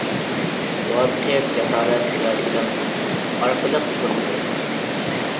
مۇۋەپپەقىيەت جاسارەت ۋە چىدام ئارقىلىق قولغا كېلىدۇ.